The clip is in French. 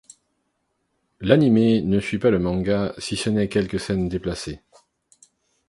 L'anime ne suit pas le manga si ce n'est quelques scènes déplacées.